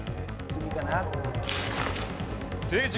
次かな？